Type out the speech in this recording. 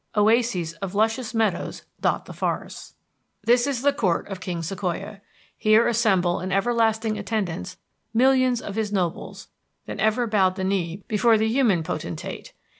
Oases of luscious meadows dot the forests. This is the Court of King Sequoia. Here assemble in everlasting attendance millions of his nobles, a statelier gathering than ever bowed the knee before human potentate.